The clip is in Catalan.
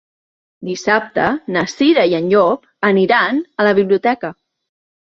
Dissabte na Cira i en Llop aniran a la biblioteca.